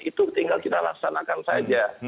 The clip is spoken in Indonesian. itu tinggal kita laksanakan saja